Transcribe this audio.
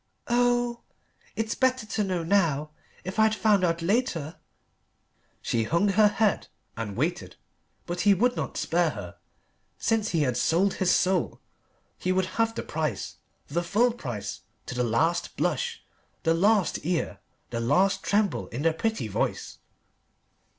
Oh it's better to know now. If I'd found out later " She hung her head and waited. But he would not spare her. Since he had sold his soul he would have the price: the full price, to the last blush, the last tear, the last tremble in the pretty voice.